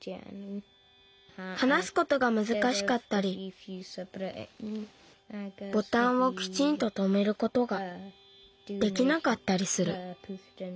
はなすことがむずかしかったりボタンをきちんととめることができなかったりする。